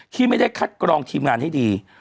ที่ไม่ได้คัดกรองทีมงานให้ดี